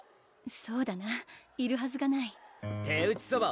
そうだないるはずがない手打ちそば